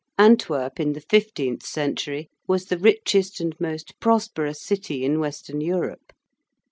Antwerp in the fifteenth century was the richest and most prosperous city in western Europe.